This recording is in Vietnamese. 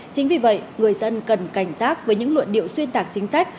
chính vì vậy người dân cần cảnh giác với những luận điệu xuyên tạc chính sách